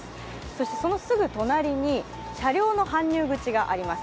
そして、そのすぐ隣に車両の搬入口があります。